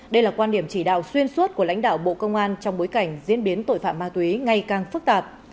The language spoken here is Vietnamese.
đây là quan điểm chỉ đạo xuyên suốt của lãnh đạo bộ công an trong bối cảnh diễn biến tội phạm ma túy ngày càng phức tạp